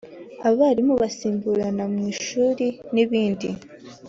abarimu basimburana mu ishuri n’ibindi